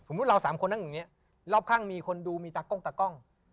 สมมุติเราสามคนนั่งอย่างอย่างนี้หลอบข้างมีคนดูตากล้องตากล้อง